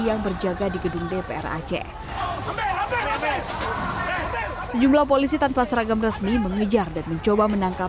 yang berjaga di gedung dpr aceh sejumlah polisi tanpa seragam resmi mengejar dan mencoba menangkap